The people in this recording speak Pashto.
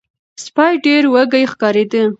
سپی ډیر وږی ښکاریده.